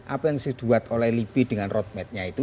apa yang sudah dibuat oleh libby dengan roadmapnya itu